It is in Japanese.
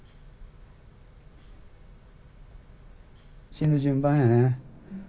死ぬ順番やね。